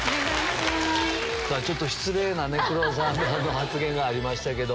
ちょっと失礼な黒沢さんの発言がありましたけど。